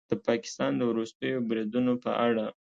د پاکستان د وروستیو بریدونو په اړه